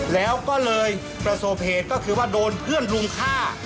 แล้วก็เลยประสบเหตุก็คือว่าโดนเพื่อนรุมฆ่า